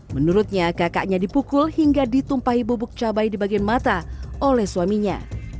menurutnya kakaknya dipukul hingga ditumpahi bubuk cabai di bagian mata oleh suaminya